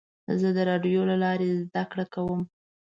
زه د راډیو له لارې زده کړه کوم.